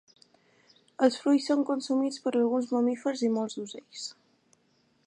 Els fruits són consumits per alguns mamífers i molts ocells.